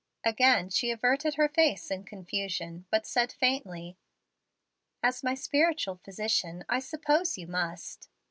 Again she averted her face in confusion, but said faintly: "As my spiritual physician I suppose you must."